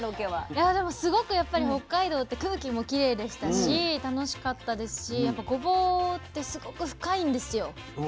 いやでもすごく北海道って空気もきれいでしたし楽しかったですしやっぱごぼうってすごく深いんですよ。